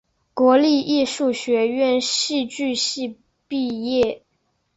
国立艺术学院戏剧系毕业。